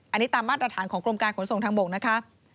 อันนี้ตามมาตรฐานของกรมการขนส่งทางบกนะคะ